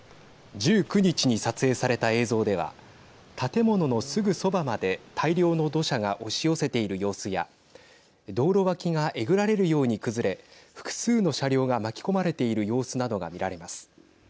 １９日に撮影された映像では建物のすぐそばまで大量の土砂が押し寄せている様子や道路脇がえぐられるように崩れ複数の車両が巻き込まれている様子などが見られます。